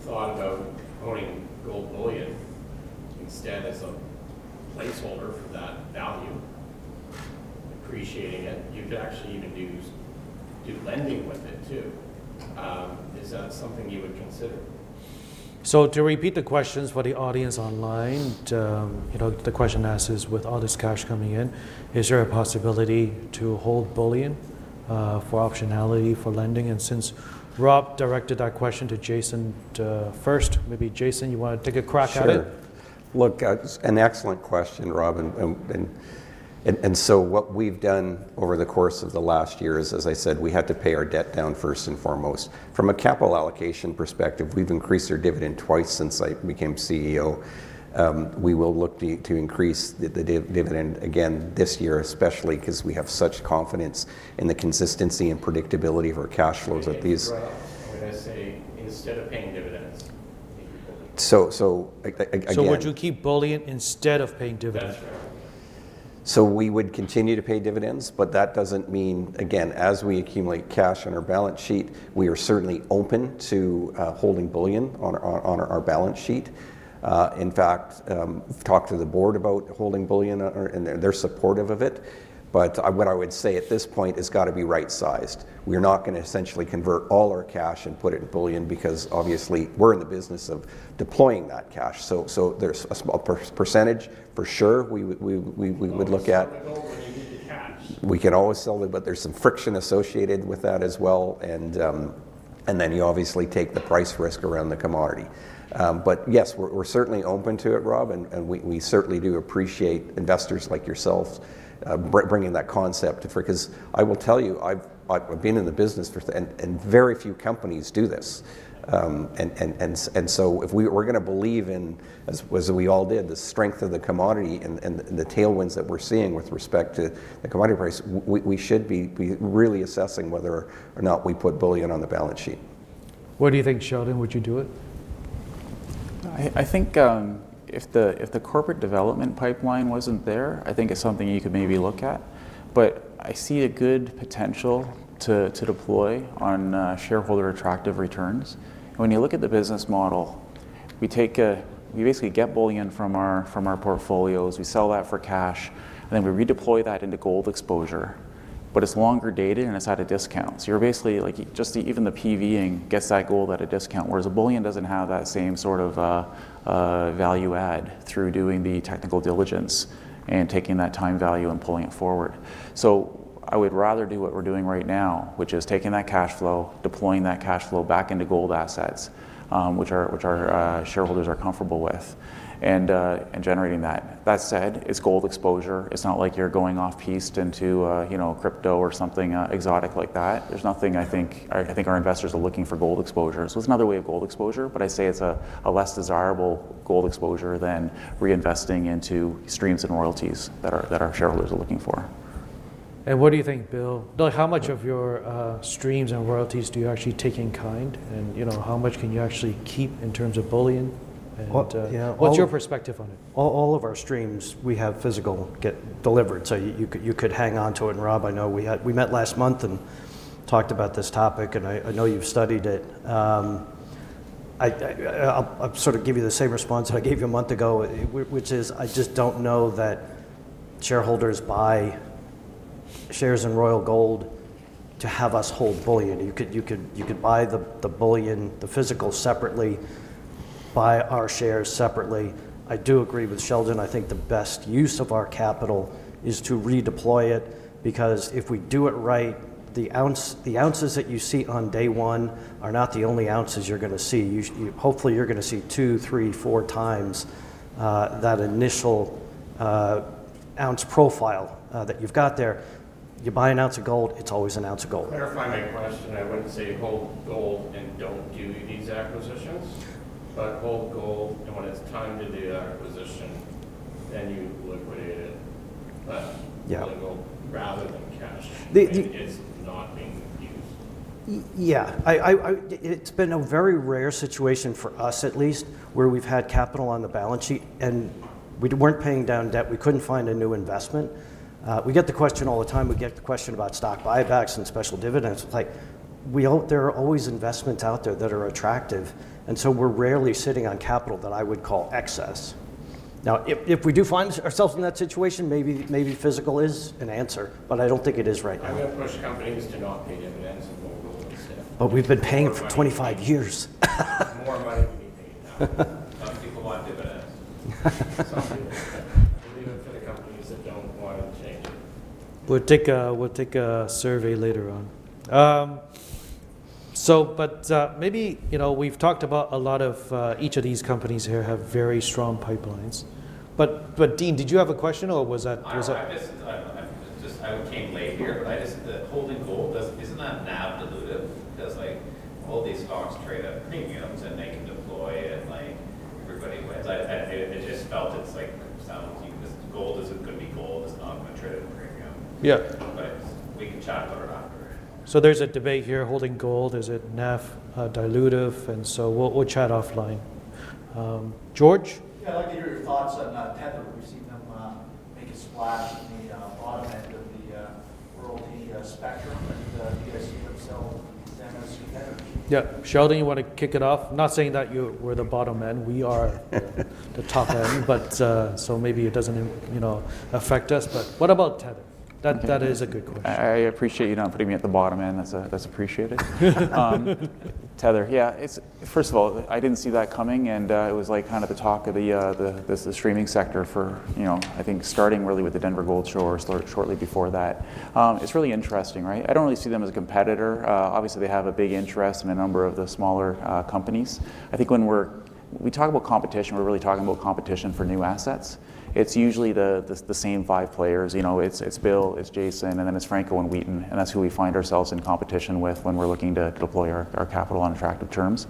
thought about owning gold bullion instead as a placeholder for that value, appreciating it? You could actually even do lending with it too. Is that something you would consider? To repeat the questions for the audience online, the question asks is, with all this cash coming in, is there a possibility to hold bullion for optionality for lending? And since Rob directed that question to Jason first, maybe Jason, you want to take a crack at it? Sure. Look, it's an excellent question, Rob. And so what we've done over the course of the last year is, as I said, we had to pay our debt down first and foremost. From a capital allocation perspective, we've increased our dividend twice since I became CEO. We will look to increase the dividend again this year, especially because we have such confidence in the consistency and predictability of our cash flows at these. What if I say instead of paying dividends, I think you're building? So again. So would you keep bullion instead of paying dividends? That's right. So we would continue to pay dividends, but that doesn't mean, again, as we accumulate cash on our balance sheet, we are certainly open to holding bullion on our balance sheet. In fact, we've talked to the board about holding bullion, and they're supportive of it. But what I would say at this point has got to be right-sized. We're not going to essentially convert all our cash and put it in bullion because obviously we're in the business of deploying that cash. So there's a small percentage for sure we would look at. You can always sell it when you need the cash. We can always sell it, but there's some friction associated with that as well. And then you obviously take the price risk around the commodity. But yes, we're certainly open to it, Rob, and we certainly do appreciate investors like yourself bringing that concept to forth. Because I will tell you, I've been in the business for, and very few companies do this. And so if we're going to believe in, as we all did, the strength of the commodity and the tailwinds that we're seeing with respect to the commodity price, we should be really assessing whether or not we put bullion on the balance sheet. What do you think, Sheldon? Would you do it? I think if the corporate development pipeline wasn't there, I think it's something you could maybe look at. But I see a good potential to deploy on shareholder attractive returns. And when you look at the business model, we basically get bullion from our portfolios. We sell that for cash, and then we redeploy that into gold exposure. But it's longer dated, and it's at a discount. So you're basically like just even the PVing gets that gold at a discount, whereas a bullion doesn't have that same sort of value add through doing the technical diligence and taking that time value and pulling it forward. So I would rather do what we're doing right now, which is taking that cash flow, deploying that cash flow back into gold assets, which our shareholders are comfortable with, and generating that. That said, it's gold exposure. It's not like you're going off-piste into crypto or something exotic like that. There's nothing, I think, our investors are looking for gold exposure. So it's another way of gold exposure, but I say it's a less desirable gold exposure than reinvesting into streams and royalties that our shareholders are looking for. What do you think, Bill? Bill, how much of your streams and royalties do you actually take in kind? And how much can you actually keep in terms of bullion? And what's your perspective on it? All of our streams, we have physical gold delivered. So you could hang on to it, and Rob, I know we met last month and talked about this topic, and I know you've studied it. I'll sort of give you the same response that I gave you a month ago, which is I just don't know that shareholders buy shares in Royal Gold to have us hold bullion. You could buy the bullion, the physical separately. Buy our shares separately. I do agree with Sheldon. I think the best use of our capital is to redeploy it because if we do it right, the ounces that you see on day one are not the only ounces you're going to see. Hopefully, you're going to see two, three, four times that initial ounce profile that you've got there. You buy an ounce of gold. It's always an ounce of gold. Clarifying my question, I wouldn't say hold gold and don't do these acquisitions, but hold gold, and when it's time to do that acquisition, then you liquidate it. But hold gold rather than cash as it is not being used. Yeah. It's been a very rare situation for us, at least, where we've had capital on the balance sheet, and we weren't paying down debt. We couldn't find a new investment. We get the question all the time. We get the question about stock buybacks and special dividends. It's like there are always investments out there that are attractive. And so we're rarely sitting on capital that I would call excess. Now, if we do find ourselves in that situation, maybe physical is an answer, but I don't think it is right now. I'm going to push companies to not pay dividends and hold gold instead. But we've been paying for 25 years. More money to be paid now. Some people want dividends. Some people believe it for the companies that don't want to change it. We'll take a survey later on. But maybe we've talked about a lot of each of these companies here have very strong pipelines. But Dean, did you have a question or was that? I just came late here, but the holding gold, isn't that NAV dilutive? Because all these stocks trade at premiums and they can deploy and everybody wins. I just felt it sounds gold isn't going to be gold. It's not going to trade at a premium. But we can chat about it after. There's a debate here. Holding gold, is it NAV dilutive? And we'll chat offline. George? Yeah, I'd like to hear your thoughts on Tether. We've seen them make a splash in the bottom end of the royalty spectrum, and CIBC has been selling them as an entry. Yeah. Sheldon, you want to kick it off? Not saying that you were the bottom end. We are the top end, but so maybe it doesn't affect us. But what about Tether? That is a good question. I appreciate you not putting me at the bottom end. That's appreciated. Tether, yeah. First of all, I didn't see that coming, and it was kind of the talk of the streaming sector for, I think, starting really with the Denver Gold Show or shortly before that. It's really interesting, right? I don't really see them as a competitor. Obviously, they have a big interest in a number of the smaller companies. I think when we talk about competition, we're really talking about competition for new assets. It's usually the same five players. It's Bill, it's Jason, and then it's Franco and Wheaton, and that's who we find ourselves in competition with when we're looking to deploy our capital on attractive terms.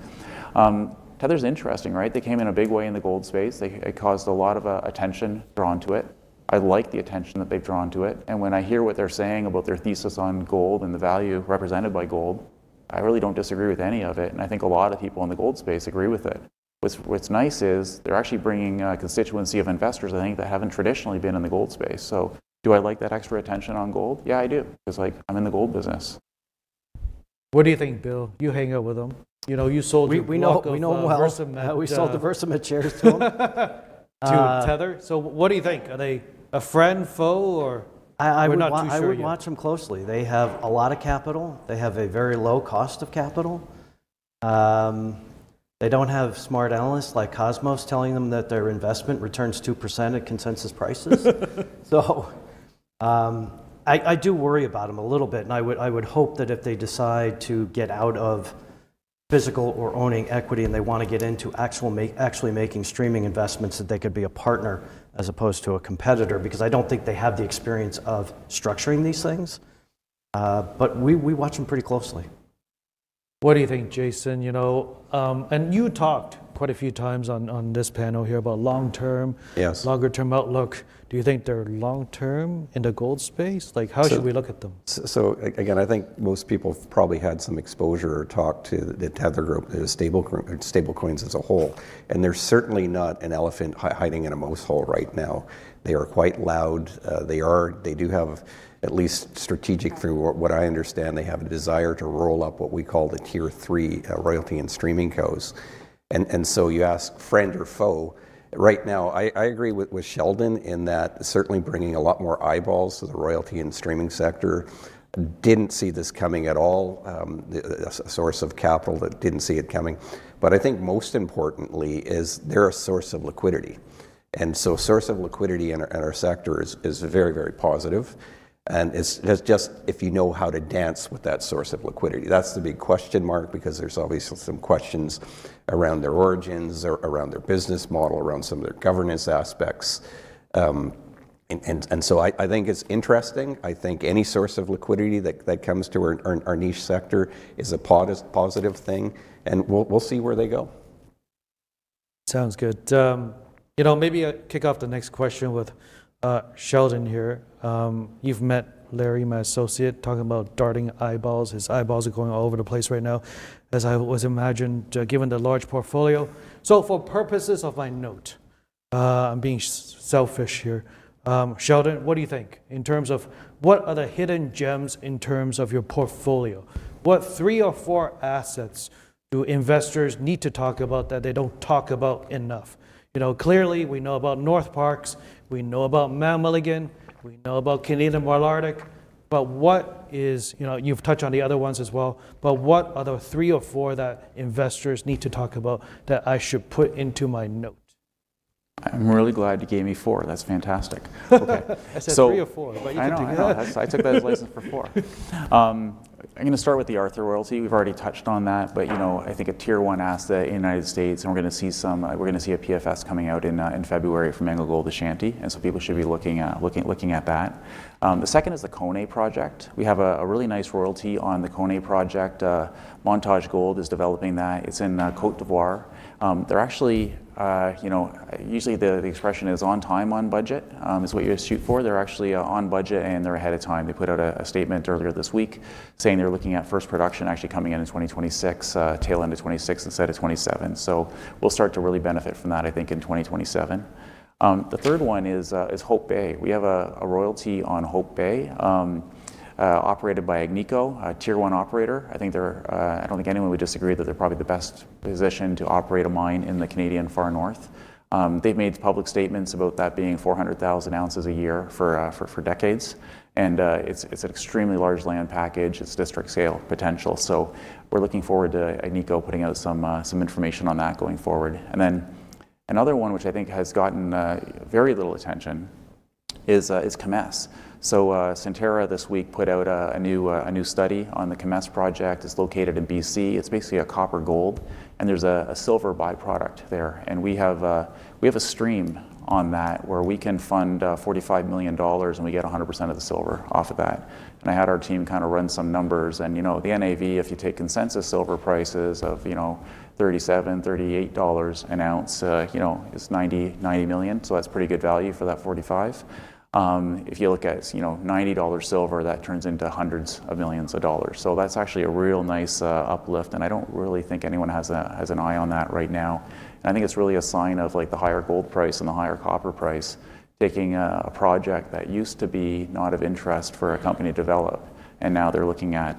Tether's interesting, right? They came in a big way in the gold space. It caused a lot of attention drawn to it. I like the attention that they've drawn to it. And when I hear what they're saying about their thesis on gold and the value represented by gold, I really don't disagree with any of it. And I think a lot of people in the gold space agree with it. What's nice is they're actually bringing a constituency of investors, I think, that haven't traditionally been in the gold space. So do I like that extra attention on gold? Yeah, I do. It's like I'm in the gold business. What do you think, Bill? You hang out with them. You sold your gold to them now. We sold diversified shares to them. To Tether. So what do you think? Are they a friend, foe, or would not want you? I would watch them closely. They have a lot of capital. They have a very low cost of capital. They don't have smart analysts like Cosmos telling them that their investment returns 2% at consensus prices. So I do worry about them a little bit. And I would hope that if they decide to get out of physical or owning equity and they want to get into actually making streaming investments, that they could be a partner as opposed to a competitor because I don't think they have the experience of structuring these things. But we watch them pretty closely. What do you think, Jason? And you talked quite a few times on this panel here about long-term, longer-term outlook. Do you think they're long-term in the gold space? How should we look at them? So again, I think most people have probably had some exposure or talk to the Tether group, the stablecoins as a whole. And they're certainly not an elephant hiding in a mouse hole right now. They are quite loud. They do have at least strategically, from what I understand, they have a desire to roll up what we call the Tier 3 royalty and streaming cos. And so you ask friend or foe, right now, I agree with Sheldon in that certainly bringing a lot more eyeballs to the royalty and streaming sector. Didn't see this coming at all, a source of capital that didn't see it coming. But I think most importantly is they're a source of liquidity. And so a source of liquidity in our sector is very, very positive. And it's just if you know how to dance with that source of liquidity. That's the big question mark because there's obviously some questions around their origins, around their business model, around some of their governance aspects. And so I think it's interesting. I think any source of liquidity that comes to our niche sector is a positive thing. And we'll see where they go. Sounds good. Maybe I'll kick off the next question with Sheldon here. You've met Larry, my associate, talking about darting eyeballs. His eyeballs are going all over the place right now, as I was imagining, given the large portfolio. So for purposes of my note, I'm being selfish here. Sheldon, what do you think in terms of what are the hidden gems in terms of your portfolio? What three or four assets do investors need to talk about that they don't talk about enough? Clearly, we know about Northparkes. We know about Mount Milligan. We know about Canadian Malartic. But what is, you've touched on the other ones as well, but what are the three or four that investors need to talk about that I should put into my note? I'm really glad you gave me four. That's fantastic. I said three or four, but you didn't know that. I took that as a license for four. I'm going to start with the Anglo royalty. We've already touched on that, but I think a Tier One asset in the United States, and we're going to see some, we're going to see a PFS coming out in February from AngloGold Ashanti, and so people should be looking at that. The second is the Koné Project. We have a really nice royalty on the Koné Project. Montage Gold is developing that. It's in Côte d'Ivoire. They're actually, usually the expression is on time, on budget is what you shoot for. They're actually on budget, and they're ahead of time. They put out a statement earlier this week saying they're looking at first production actually coming in in 2026, tail end of 2026 instead of 2027. So we'll start to really benefit from that, I think, in 2027. The third one is Hope Bay. We have a royalty on Hope Bay operated by Agnico, a tier one operator. I don't think anyone would disagree that they're probably the best position to operate a mine in the Canadian far north. They've made public statements about that being 400,000 ounces a year for decades. And it's an extremely large land package. It's district scale potential. So we're looking forward to Agnico putting out some information on that going forward. And then another one, which I think has gotten very little attention, is Kemess. So Centerra this week put out a new study on the Kemess project. It's located in BC. It's basically a copper gold, and there's a silver byproduct there. And we have a stream on that where we can fund $45 million, and we get 100% of the silver off of that. I had our team kind of run some numbers. The NAV, if you take consensus silver prices of $37-$38 an ounce, is $90 million. That's pretty good value for that $45. If you look at $90 silver, that turns into hundreds of millions of dollars. That's actually a real nice uplift. I don't really think anyone has an eye on that right now. I think it's really a sign of the higher gold price and the higher copper price taking a project that used to be not of interest for a company to develop. Now they're looking at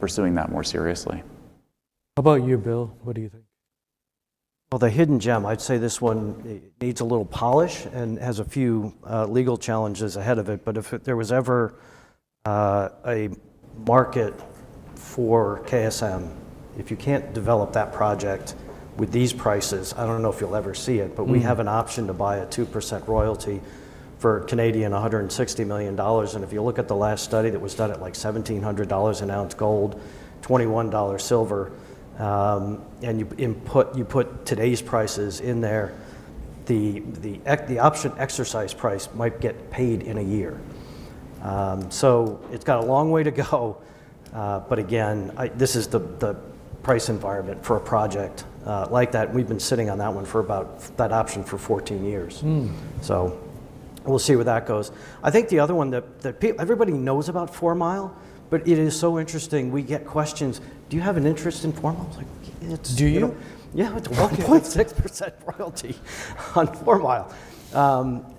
pursuing that more seriously. How about you, Bill? What do you think? The hidden gem, I'd say this one needs a little polish and has a few legal challenges ahead of it. If there was ever a market for KSM, if you can't develop that project with these prices, I don't know if you'll ever see it, but we have an option to buy a 2% royalty for 160 million Canadian dollars. If you look at the last study that was done at like $1,700 an ounce gold, $21 silver, and you put today's prices in there, the option exercise price might get paid in a year. It's got a long way to go. Again, this is the price environment for a project like that. We've been sitting on that one for about that option for 14 years. We'll see where that goes. I think the other one that everybody knows about Four Mile, but it is so interesting. We get questions. Do you have an interest in Four Mile? It's a talking point. Do you? Yeah, it's a 0.6% royalty on Four Mile.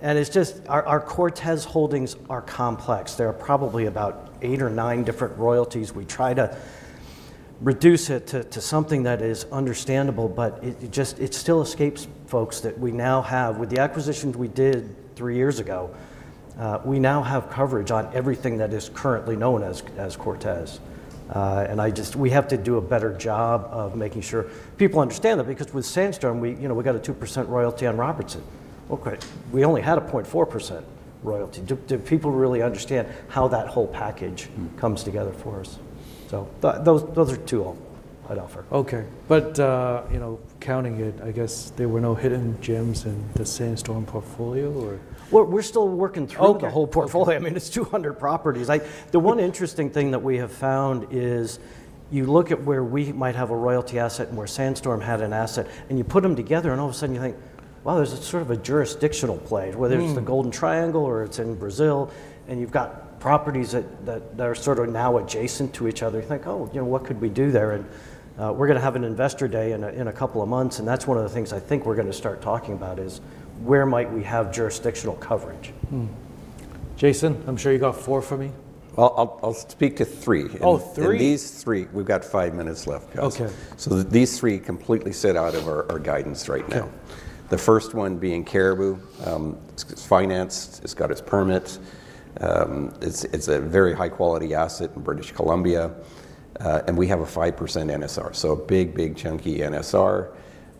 And it's just our Cortez holdings are complex. There are probably about eight or nine different royalties. We try to reduce it to something that is understandable, but it still escapes folks that we now have with the acquisitions we did three years ago. We now have coverage on everything that is currently known as Cortez. And we have to do a better job of making sure people understand that because with Sandstorm, we got a 2% royalty on Robertson. We only had a 0.4% royalty. Do people really understand how that whole package comes together for us? So those are two I'd offer. Okay. But counting it, I guess there were no hidden gems in the Sandstorm portfolio or? We're still working through the whole portfolio. I mean, it's 200 properties. The one interesting thing that we have found is you look at where we might have a royalty asset and where Sandstorm had an asset, and you put them together, and all of a sudden you think, wow, there's sort of a jurisdictional play, whether it's the Golden Triangle or it's in Brazil, and you've got properties that are sort of now adjacent to each other. You think, oh, what could we do there and we're going to have an investor day in a couple of months. And that's one of the things I think we're going to start talking about is where might we have jurisdictional coverage? Jason, I'm sure you got four for me. I'll speak to three. Oh, three? And these three, we've got five minutes left, guys. So these three completely sit out of our guidance right now. The first one being Cariboo. It's financed. It's got its permits. It's a very high-quality asset in British Columbia. And we have a 5% NSR. So a big, big chunky NSR.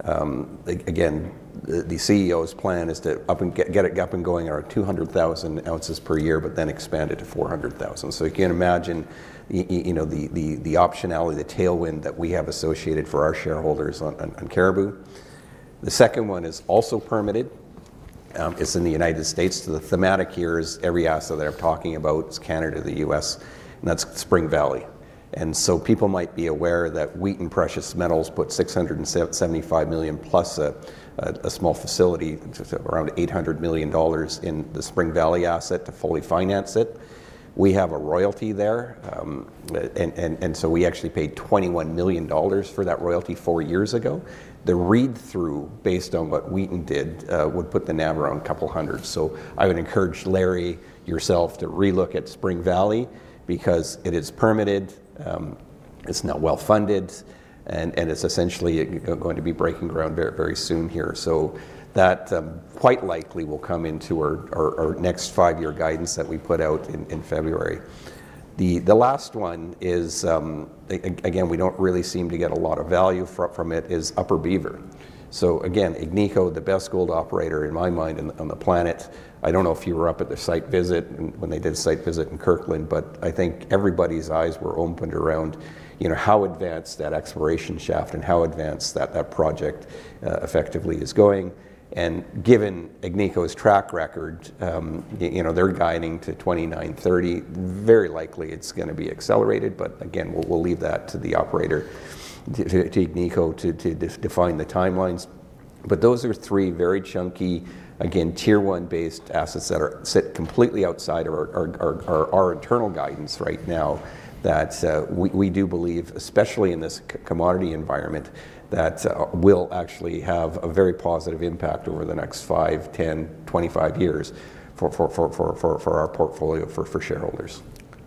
Again, the CEO's plan is to get it up and going at 200,000 ounces per year, but then expand it to 400,000. So you can imagine the optionality, the tailwind that we have associated for our shareholders on Cariboo. The second one is also permitted. It's in the United States. The theme, yeah, is every asset that I'm talking about is Canada, the US, and that's Spring Valley. And so people might be aware that Wheaton Precious Metals put $675 million plus a small facility, around $800 million in the Spring Valley asset to fully finance it. We have a royalty there, and so we actually paid $21 million for that royalty four years ago. The read-through based on what Wheaton did would put the number on a couple hundred. I would encourage Larry, yourself, to relook at Spring Valley because it is permitted. It's now well-funded, and it's essentially going to be breaking ground very, very soon here. That quite likely will come into our next five-year guidance that we put out in February. The last one is, again, we don't really seem to get a lot of value from it, is Upper Beaver. Again, Agnico, the best gold operator in my mind on the planet. I don't know if you were up at the site visit when they did the site visit in Kirkland, but I think everybody's eyes were opened around how advanced that exploration shaft and how advanced that project effectively is going, and given Agnico's track record, they're guiding to 2930. Very likely it's going to be accelerated, but again, we'll leave that to the operator, to Agnico, to define the timelines, but those are three very chunky, again, Tier One-based assets that sit completely outside of our internal guidance right now that we do believe, especially in this commodity environment, that will actually have a very positive impact over the next five, 10, 25 years for our portfolio for shareholders.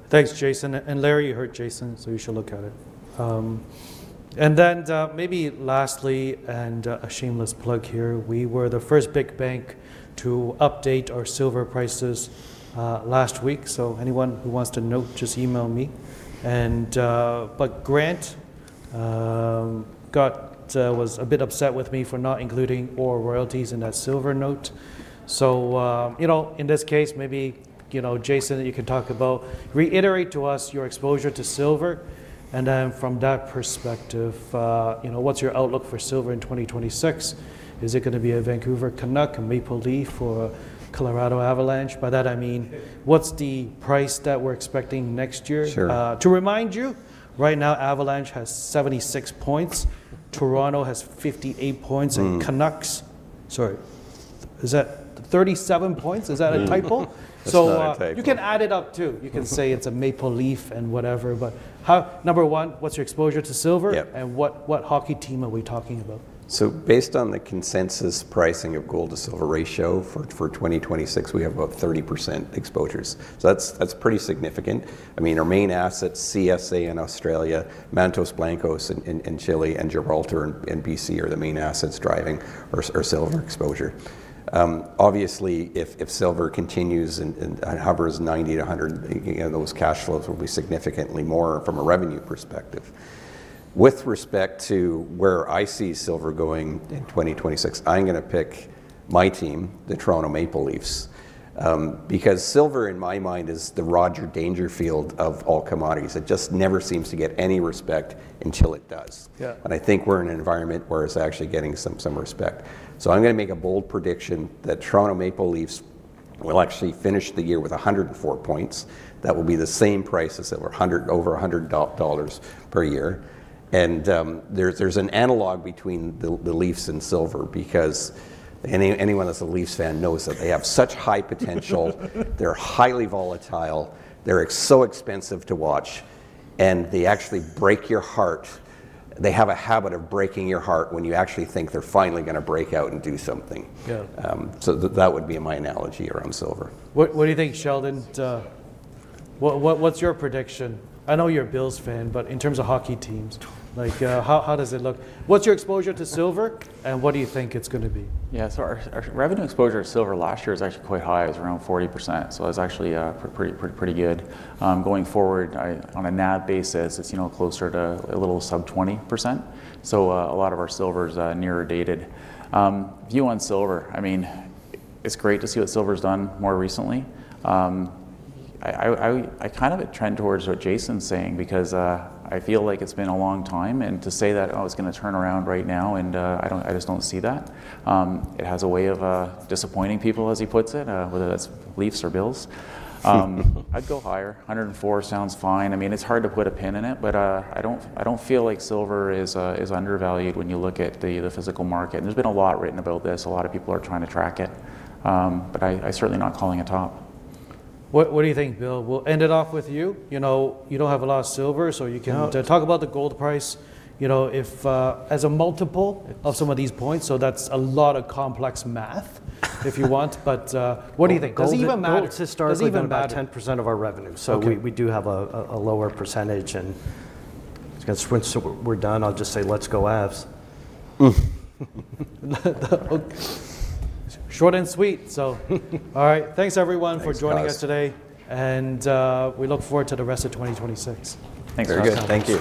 Thanks, Jason. And Larry, you heard Jason, so you should look at it. And then maybe lastly, and a shameless plug here, we were the first big bank to update our silver prices last week. So anyone who wants to note, just email me. But Grant was a bit upset with me for not including all royalties in that silver note. So in this case, maybe Jason, you can talk about, reiterate to us your exposure to silver. And then from that perspective, what's your outlook for silver in 2026? Is it going to be a Vancouver Canucks, Toronto Maple Leafs, or Colorado Avalanche? By that, I mean, what's the price that we're expecting next year? To remind you, right now, Avalanche has 76 points. Toronto has 58 points. And Canucks, sorry, is that 37 points? Is that a typo? So you can add it up too. You can say it's a Maple Leaf and whatever. But number one, what's your exposure to silver? And what hockey team are we talking about? So based on the consensus pricing of gold to silver ratio for 2026, we have about 30% exposures. So that's pretty significant. I mean, our main assets, CSA in Australia, Mantos Blancos in Chile, and Gibraltar in BC are the main assets driving our silver exposure. Obviously, if silver continues and hovers $90-$100, those cash flows will be significantly more from a revenue perspective. With respect to where I see silver going in 2026, I'm going to pick my team, the Toronto Maple Leafs, because silver, in my mind, is the Rodney Dangerfield of all commodities. It just never seems to get any respect until it does. And I think we're in an environment where it's actually getting some respect. So I'm going to make a bold prediction that Toronto Maple Leafs will actually finish the year with 104 points. That will be the same prices that were over $100 per year. There's an analogy between the Leafs and silver because anyone that's a Leafs fan knows that they have such high potential. They're highly volatile. They're so expensive to watch. They actually break your heart. They have a habit of breaking your heart when you actually think they're finally going to break out and do something. That would be my analogy around silver. What do you think, Sheldon? What's your prediction? I know you're a Bills fan, but in terms of hockey teams, how does it look? What's your exposure to silver, and what do you think it's going to be? Yeah, so our revenue exposure to silver last year was actually quite high. It was around 40%. So it was actually pretty good. Going forward, on a NAV basis, it's closer to a little sub-20%. So a lot of our silver is near-dated. View on silver, I mean, it's great to see what silver has done more recently. I kind of trend towards what Jason's saying because I feel like it's been a long time. And to say that it's going to turn around right now, and I just don't see that. It has a way of disappointing people, as he puts it, whether that's Leafs or Bills. I'd go higher. 104 sounds fine. I mean, it's hard to put a pin in it, but I don't feel like silver is undervalued when you look at the physical market. And there's been a lot written about this. A lot of people are trying to track it, but I'm certainly not calling a top. What do you think, Bill? We'll end it off with you. You don't have a lot of silver, so you can talk about the gold price as a multiple of some of these points. So that's a lot of complex math, if you want. But what do you think? Does it even matter to start with? Does it even matter? 10% of our revenue. So we do have a lower percentage. And we're done. I'll just say, let's go Avs. Short and sweet. So, all right, thanks everyone for joining us today. And we look forward to the rest of 2026. Thanks, guys. Thank you.